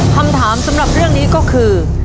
คำถามสำหรับเรื่องนี้ก็คือ